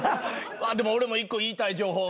俺も１個言いたい情報。